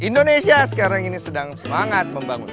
indonesia sekarang ini sedang semangat membangun